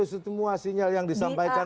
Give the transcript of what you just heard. semua sinyal yang disampaikan